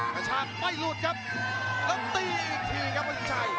กระชากไม่หลุดครับแล้วตีอีกทีครับวันสินชัย